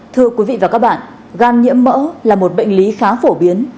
thưa quý vị và các bạn gan nhiễm mỡ là một bệnh lý khá phổ biến